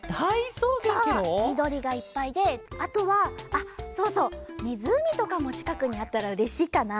そうみどりがいっぱいであとはあっそうそうみずうみとかもちかくにあったらうれしいかな。